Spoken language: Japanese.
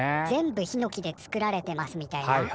全部ひのきで作られてますみたいな。